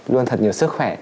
luôn thật nhiều sức khỏe